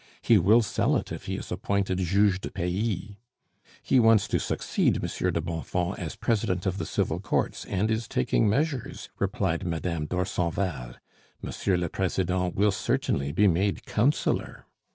"He will sell it if he is appointed juge de paix." "He wants to succeed Monsieur de Bonfons as president of the Civil courts, and is taking measures," replied Madame d'Orsonval. "Monsieur le president will certainly be made councillor."